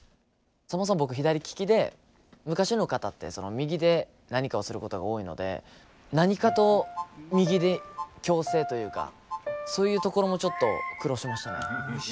そもそも僕左利きで昔の方って右で何かをすることが多いので何かと右に矯正というかそういうところもちょっと苦労しましたね。